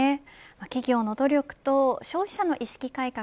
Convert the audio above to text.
企業の努力と消費者の意識改革